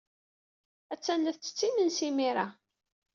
Attan la tettett imensi imir-a.